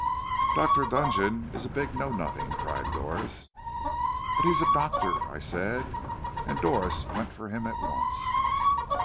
"'Dr. Dudgeon is a big know nothing,' cried Doris. "'But he is a doctor,' I said. And Doris went for him at once.